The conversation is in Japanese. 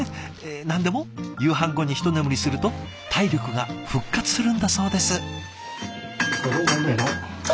何でも夕飯後に一眠りすると体力が復活するんだそうです。